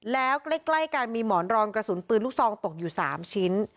แล้วใกล้กันมีหมอนรองกระสุนปืนลูกซองตกอยู่๓ชิ้น